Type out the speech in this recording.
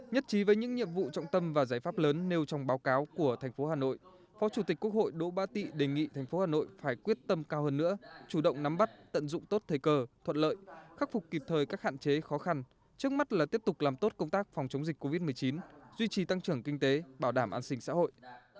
nhất trí với những nhiệm vụ trọng tâm và giải pháp lớn nêu trong báo cáo của thành phố hà nội phó chủ tịch quốc hội đỗ ba tị đề nghị thành phố hà nội phải quyết tâm cao hơn nữa chủ động nắm bắt tận dụng tốt thời cơ thuận lợi khắc phục kịp thời các hạn chế khó khăn trước mắt là tiếp tục làm tốt công tác phòng chống dịch covid một mươi chín duy trì tăng trưởng kinh tế bảo đảm an sinh xã hội